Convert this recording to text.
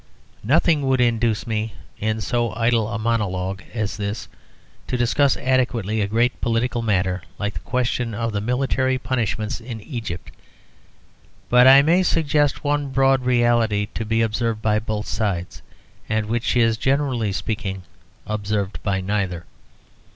Nothing would induce me in so idle a monologue as this to discuss adequately a great political matter like the question of the military punishments in Egypt. But I may suggest one broad reality to be observed by both sides, and which is, generally speaking, observed by neither.